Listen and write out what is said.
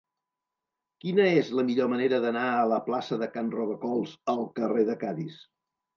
Quina és la millor manera d'anar de la plaça de Can Robacols al carrer de Cadis?